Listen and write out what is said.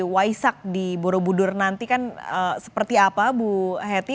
waisak di borobudur nanti kan seperti apa bu hetty